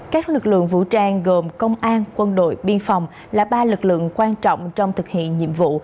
các lực lượng vũ trang gồm công an quân đội biên phòng là ba lực lượng quan trọng trong thực hiện nhiệm vụ